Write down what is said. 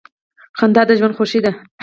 • خندا د ژوند خوښي ده.